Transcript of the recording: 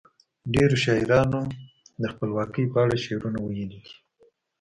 ډیرو شاعرانو د خپلواکۍ په اړه شعرونه ویلي دي.